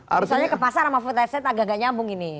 misalnya ke pasar sama food estate agak agak nyambung ini